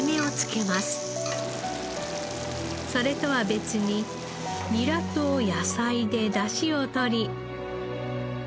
それとは別にニラと野菜で出汁をとり。